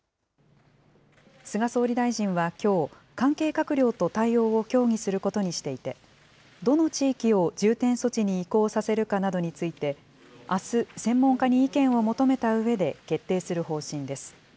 菅総理大臣はきょう、関係閣僚と対応を協議することにしていて、どの地域を重点措置に移行させるかなどについて、あす、専門家に意見を求めたうえで決定する方針です。